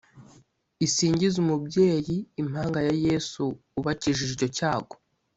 isingize umubyeyi impanga ya Yezu ubakijije icyo cyago